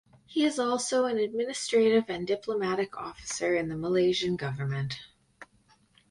He is also an Administrative and Diplomatic Officer in the Malaysian Government.